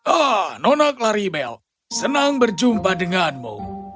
ah nona klaribel senang berjumpa denganmu